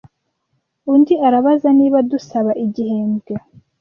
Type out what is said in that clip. Undi arabaza niba dusaba igihembwe?